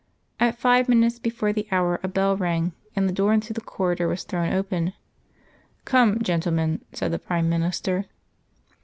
At five minutes before the hour a bell rang, and the door into the corridor was thrown open. "Come, gentlemen," said the Prime Minister.